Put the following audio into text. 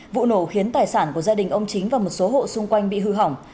vụ nổ khiến tài sản của gia đình ông chính và một số hộ xung quanh bị hư hỏng